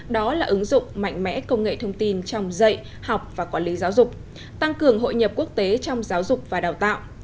đó là ứng dụng mạnh mẽ công nghệ thông tin trong dạy học và quản lý giáo dục tăng cường hội nhập quốc tế trong giáo dục và đào tạo